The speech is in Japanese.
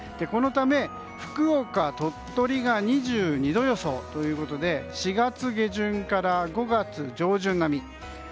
このため、福岡、鳥取が２２度予想ということで４月下旬から５月上旬並み。